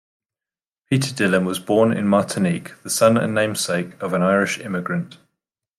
Peter Dillon was born in Martinique, the son and namesake of an Irish immigrant.